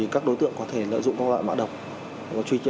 các đối tượng có thể lợi dụng các loại mạng đồng